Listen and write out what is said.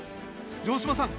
城島さん